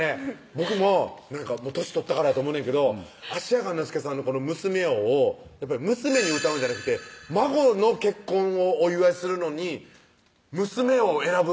僕も歳取ったからやと思うねんけど芦屋雁之助さんの娘よを娘に歌うんじゃなくて孫の結婚をお祝いするのに娘よを選ぶ